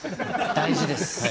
大事です。